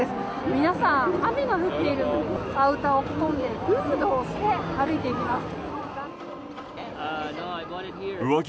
皆さん、雨が降っているのでアウターを着込んだりフードをして歩いていきます。